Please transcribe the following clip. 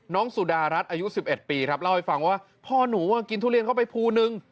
สุดารัฐอายุ๑๑ปีครับเล่าให้ฟังว่าพ่อหนูกินทุเรียนเข้าไปภูนึง